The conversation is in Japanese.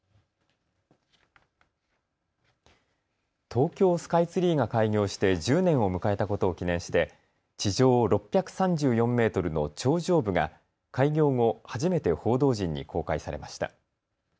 東京スカイツリーが開業して１０年を迎えたことを記念して地上６３４メートルの頂上部が開業後、初めて報道陣に公開されました。